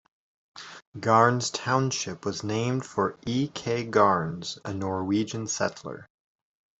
Garnes Township was named for E. K. Garnes, a Norwegian settler.